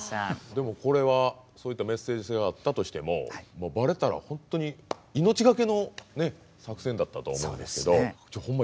でもこれはそういったメッセージ性があったとしてもバレたら本当に命懸けの作戦だったと思うんですけどほんま